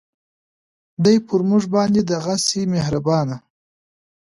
دی پر مونږ باندې دغهسې مهربانه